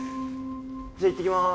じゃあいってきます・